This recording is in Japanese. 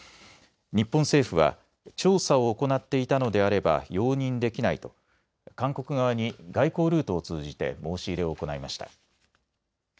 日本政府は調査を行っていたのであれば容認できないと韓国側に外交ルートを通じて申し入れを行いました。